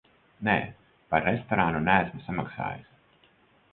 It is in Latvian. Nē, par restorānu neesmu samaksājis.